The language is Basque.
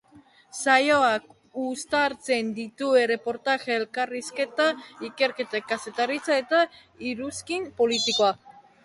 Saioak uztartzen ditu erreportajeak, elkarrizketak, ikerketa-kazetaritza eta iruzkin politikoa.